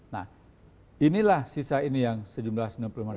nah inilah sisa ini yang sejumlah sembilan puluh lima